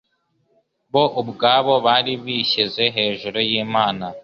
bo ubwabo bari bishyize hejuru y'Imana.